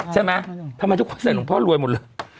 ใช่ไหมทำไมทุกคนใส่หลวงพ่อรวยหมดเลย